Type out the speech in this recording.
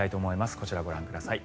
こちら、ご覧ください。